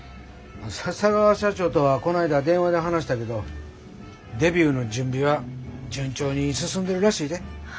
笹川社長とはこないだ電話で話したけどデビューの準備は順調に進んでるらしいで。